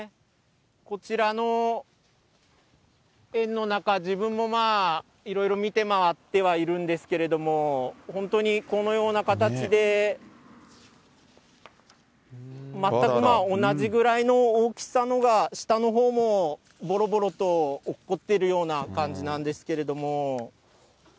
こちらの園の中、自分もまあ、いろいろ見て回ってはいるんですけれども、本当にこのような形で、全く同じぐらいの大きさのが、下のほうも、ぼろぼろとおっこってるような感じなんですけれども。